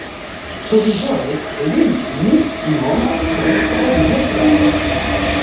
Provizore, lin mi nomas preskaŭ mia frato.